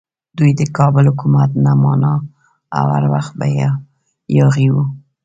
دوی د کابل حکومت نه مانه او هر وخت به یاغي وو.